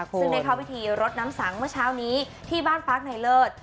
ซึ่งได้เข้าพิธีรดน้ำสังเมื่อเช้านี้ที่บ้านปาร์คในเลิศ